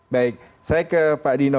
baik saya ke pak dino